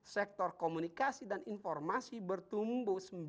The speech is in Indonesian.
sektor komunikasi dan informasi bertumbuh